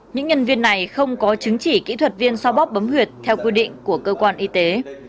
những nhân viên này không có chứng chỉ kỹ thuật viên so bóp bấm huyệt theo quy định của cơ quan y tế